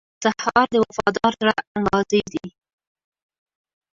سهار د وفادار زړه انګازې دي.